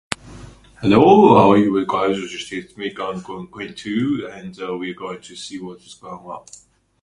Do you play the guitar or are you studying Spanish?